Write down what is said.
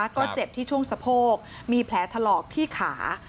ก็เจ็บที่ช่วงสะโพกมีแผลถลอกที่ขา